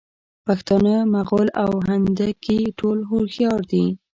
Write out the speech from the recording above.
پښتانه، مغل او هندکي ټول هوښیار دي.